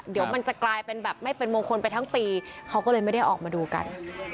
เดี๋ยวมันจะกลายเป็นแบบไม่เป็นมงคลไปทั้งปีเขาก็เลยไม่ได้ออกมาดูกัน